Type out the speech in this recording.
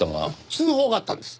通報があったんです。